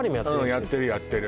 うんやってるやってる